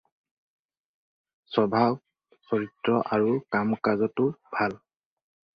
স্বভাৱ-চৰিত্ৰ আৰু কাম-কাজতো ভাল।